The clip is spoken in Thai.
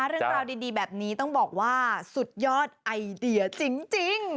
เรื่องราวดีแบบนี้ต้องบอกว่าสุดยอดไอเดียจริง